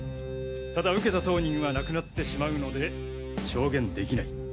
ただ受けた当人は亡くなってしまうので証言できない。